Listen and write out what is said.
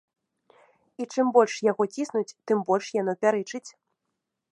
І чым больш яго ціснуць, тым больш яно пярэчыць.